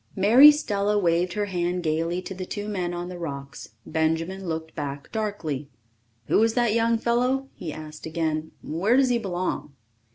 Mary Stella waved her hand gaily to the two men on the rocks. Benjamin looked back darkly. "Who is that young fellow?" he asked again. "Where does he belong?"